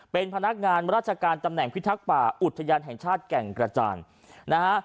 เป็นพนักงานราชการตำแหน่งพิทักษ์ป่าอุทยานแห่งชาติแก่งกระจานนะฮะ